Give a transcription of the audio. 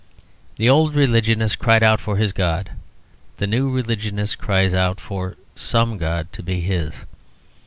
The old religionist cried out for his God. The new religionist cries out for some god to be his.